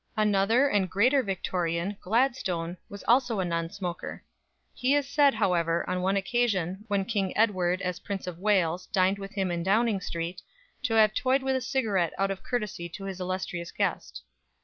Another and greater Victorian, Gladstone, was also a non smoker. He is said, however, on one occasion, when King Edward as Prince of Wales dined with him in Downing Street, to have toyed with a cigarette out of courtesy to his illustrious guest.